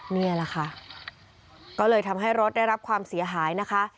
นี่แหละค่ะก็เลยทำให้รถได้รับความเสียหายนะคะ